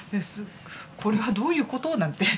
これはどういうこと？なんて